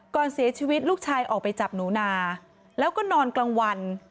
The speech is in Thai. ก่อนเสียชีวิตลูกชายออกไปจับหนูนาแล้วก็นอนกลางวัน